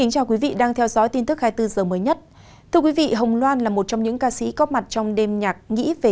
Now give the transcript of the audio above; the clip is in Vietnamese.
các bạn hãy đăng ký kênh để ủng hộ kênh của chúng mình nhé